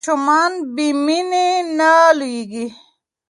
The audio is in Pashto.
ماشومان بې مینې نه لویېږي.